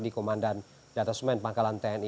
di komandan data semen pangkalan tni